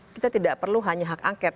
kita tidak perlu hanya hak angket